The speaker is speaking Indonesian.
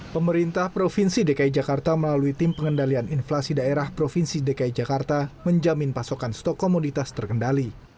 pemerintah provinsi dki jakarta melalui tim pengendalian inflasi daerah provinsi dki jakarta menjamin pasokan stok komoditas terkendali